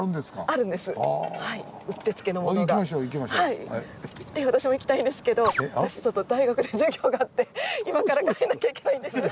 はいって私も行きたいんですけど私大学で授業があって今から帰んなきゃいけないんです。